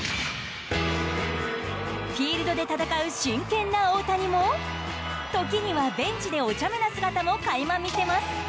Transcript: フィールドで戦う真剣な大谷も時にはベンチでお茶目な姿も垣間見せます。